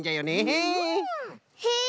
へえ